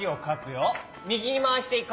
みぎにまわしていこう。